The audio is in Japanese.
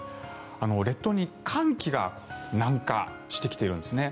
列島に寒気が南下してきているんですね。